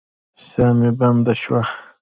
ساه مې بنده شوه.